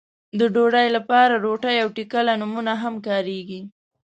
د ډوډۍ لپاره روټۍ او ټکله نومونه هم کاريږي.